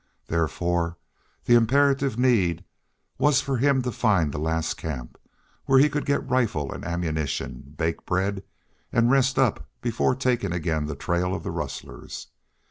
Therefore the imperative need was for him to find the last camp, where he could get rifle and ammunition, bake bread, and rest up before taking again the trail of the rustlers.